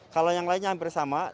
kalau yang lainnya hampir sama